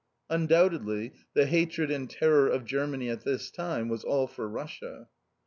Undoubtedly, the hatred and terror of Germany at this time was all for Russia.